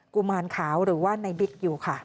กุมารขาวหรือว่าในบิ๊กอยู่ค่ะ